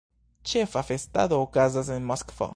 Ĉefa festado okazas en Moskvo.